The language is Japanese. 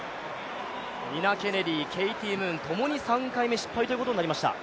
ニナ・ケネディ、ケイティ・ムーン、ともに３回目失敗ということになりました